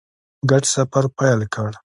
ګډ سفر پیل کړ.